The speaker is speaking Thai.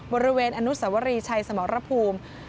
บริเวณอนุสวรีชัยสมรภูมิ